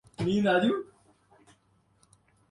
جنوب افریقہ کے ژاک کیلس